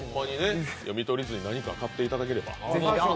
見取り図に何か買っていただければ。